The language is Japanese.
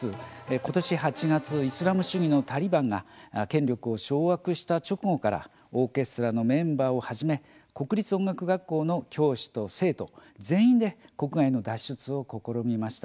ことし８月イスラム主義のタリバンが権力を掌握した直後からオーケストラのメンバーをはじめ国立音楽学校の教師と生徒全員で国外への脱出を試みました。